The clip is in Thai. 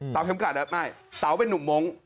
เต๋าเข้มกัดนะไม่เต๋าเป็นนุ่มมงค์